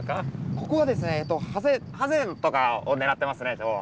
ここはですねハゼとかを狙ってますね今日は。